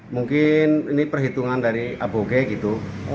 mungkin ini perhitungan dari aboge gitu